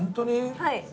はい。